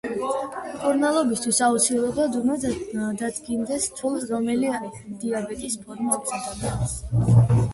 მკურნალობისთვის აუცილებლად უნდა დადგინდეს თუ რომელი დიაბეტის ფორმა აქვს ადამიანს.